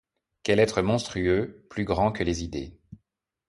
Quel être monstrueux, plus grand que les idées ;